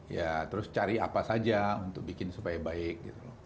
ya terus cari apa saja untuk bikin supaya baik